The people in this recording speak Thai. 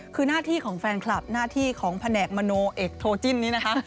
คือหน้าที่ของแฟนคลับหน้าที่ของแผนกมโนเอกโทจิ้นนี้นะคะ